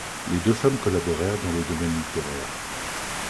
Les deux femmes collaborèrent dans le domaine littéraire.